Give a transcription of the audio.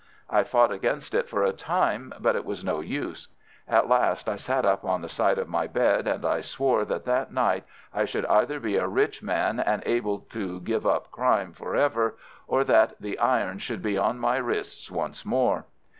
I fought against it for a time, but it was no use. At last I sat up on the side of my bed, and I swore that that night I should either be a rich man and able to give up crime for ever, or that the irons should be on my wrists once more.